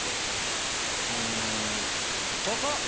うんここ！